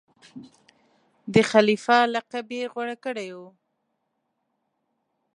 د خلیفه لقب یې غوره کړی وو.